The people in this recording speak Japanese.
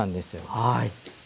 はい。